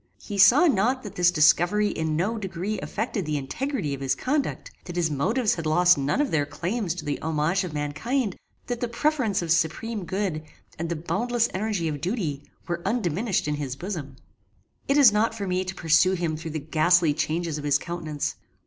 He saw not that this discovery in no degree affected the integrity of his conduct; that his motives had lost none of their claims to the homage of mankind; that the preference of supreme good, and the boundless energy of duty, were undiminished in his bosom. It is not for me to pursue him through the ghastly changes of his countenance.